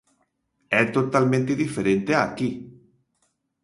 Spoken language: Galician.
É totalmente diferente a aquí.